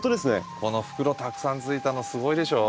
この袋たくさんついたのすごいでしょう？